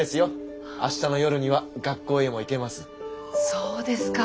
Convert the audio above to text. そうですか。